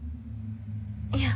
いや。